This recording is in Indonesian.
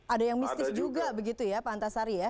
ada yang mistis juga begitu ya pak antasari ya